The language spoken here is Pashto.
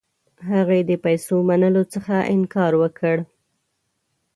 هغې د پیسو منلو څخه انکار وکړ.